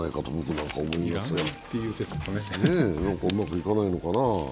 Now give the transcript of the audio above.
何かうまくいかないのなかな。